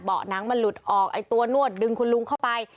หนังมันหลุดออกไอ้ตัวนวดดึงคุณลุงเข้าไป